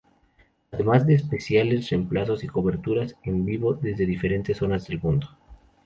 Además de especiales, reemplazos y coberturas en vivo desde diferentes zonas del mundo.